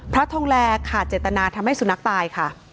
พระทองแลขาดเจตนาทำให้สุนัขตายค่ะ